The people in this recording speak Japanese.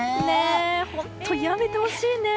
本当にやめてほしいね。